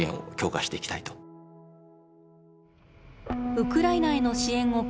ウクライナへの支援を継続する